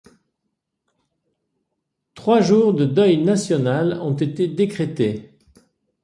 Trois jours de deuil national ont été décrétés.